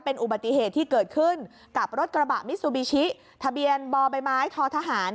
เป็นอุบัติเหตุที่เกิดขึ้นกับรถกระบะมิซูบิชิทะเบียนบ่อใบไม้ทอทหาร